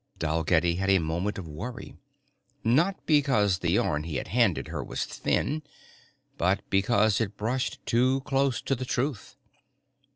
Dalgetty had a moment of worry. Not because the yarn he had handed her was thin but because it brushed too close to the truth.